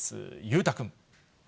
裕太君。